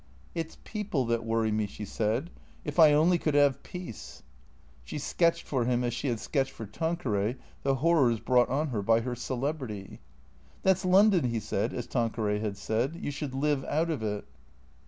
" It 's people that worry me," she said — "if I only could have peace !" She sketched for him as she had sketched for Tanqueray the horrors brought on her by her celebrity. " That 's London," he said, as Tanqueray had said. " You should live out of it."